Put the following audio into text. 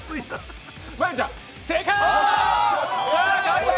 正解！